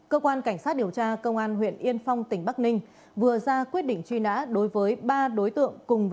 chào các bạn